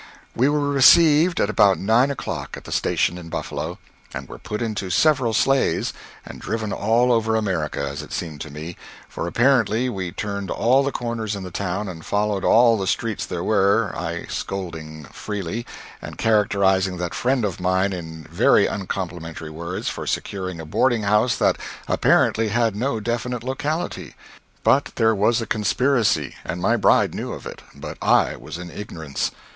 We were received at about nine o'clock at the station in Buffalo, and were put into several sleighs and driven all over America, as it seemed to me for, apparently, we turned all the corners in the town and followed all the streets there were I scolding freely, and characterizing that friend of mine in very uncomplimentary words for securing a boarding house that apparently had no definite locality. But there was a conspiracy and my bride knew of it, but I was in ignorance.